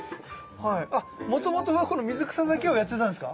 あもともとはこの水草だけをやってたんですか？